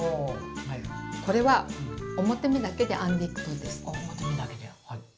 これは表目だけで編んでいくといいです。